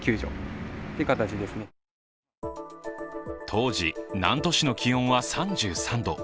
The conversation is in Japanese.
当時、南砺市の気温は３３度。